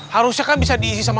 harusnya kan bisa diisi sama